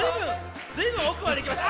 ずいぶんおくまでいきました。